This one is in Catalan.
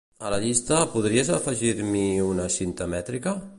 A la llista, podries afegir-me-hi una cinta mètrica?